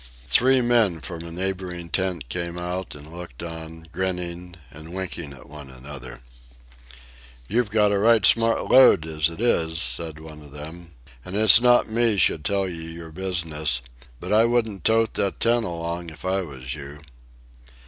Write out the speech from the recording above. Three men from a neighboring tent came out and looked on, grinning and winking at one another. "You've got a right smart load as it is," said one of them; "and it's not me should tell you your business, but I wouldn't tote that tent along if I was you."